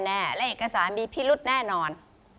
แน่และเอกสารมีพิรุธแน่นอน